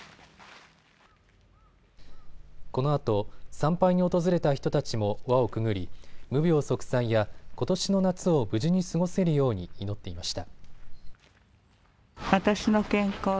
このあと参拝に訪れた人たちも輪をくぐり無病息災や、ことしの夏を無事に過ごせるように祈っていました。